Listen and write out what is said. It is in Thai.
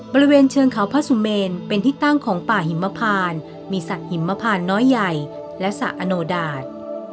บริเวณเชิงเขาพระสุเมนเป็นที่ตั้งของป่าหิมพานมีสระหิมพานน้อยใหญ่และสระอโนดาต